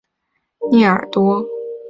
圣热涅多尔。